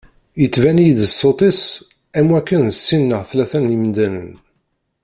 Yettban-iyi-d ṣṣut-is am wakkan d sin neɣ tlata n yemdanen.